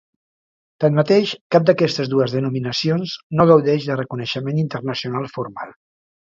Tanmateix cap d'aquestes dues denominacions no gaudeix de reconeixement internacional formal.